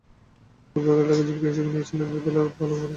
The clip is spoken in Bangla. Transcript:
ফুটবল খেলাটাকে জীবিকা হিসেবে নিয়েছিলেন দুবেলা ভালো খাবারের আশায়।